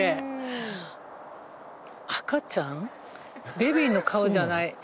ベビーの顔じゃない。